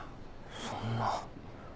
そんな。